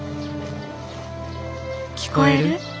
「聞こえる？